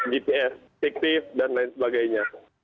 gps fiktif dan lain sebagainya